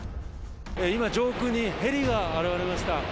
今、上空にヘリが現れました。